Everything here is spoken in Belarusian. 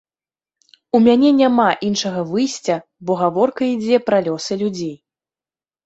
У мяне няма іншага выйсця, бо гаворка ідзе пра лёсы людзей.